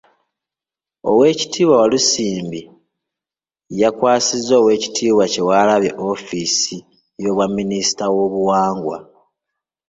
Oweekitiibwa Walusimbi yakwasizza Oweekitiibwa Kyewalabye ofiisi y’obwa minisita w’Obuwangwa.